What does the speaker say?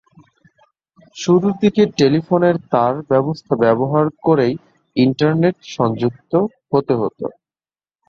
শুরুর দিকে টেলিফোনের তার ব্যবস্থা ব্যবহার করেই ইন্টারনেটে সংযুক্ত হতে হত।